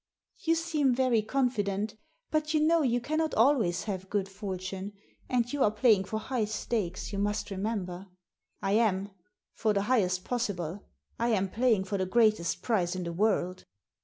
"You seem very confident But you know you cannot always have good fortune. And you are playing for high stakes, you must remember." "I am, for the highest possible. I am playing for the greatest prize in the world."